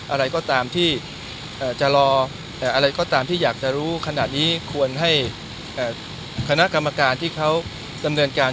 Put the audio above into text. อะไรก็ตามที่จะรออะไรก็ตามที่อยากจะรู้ขนาดนี้ควรให้คณะกรรมการที่เขาดำเนินการ